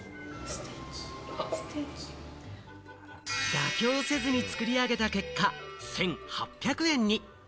妥協せずに作り上げた結果、１８００円に。